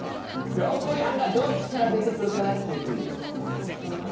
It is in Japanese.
ひょっこりはんがどっちから出てくるかなっていうクイズです。